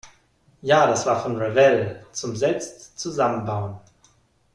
Ja, das war von Revell, zum selbst zusammenbauen.